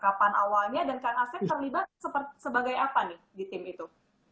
kapan awalnya dan kang asep terlibat sebagai apa nih di tim itu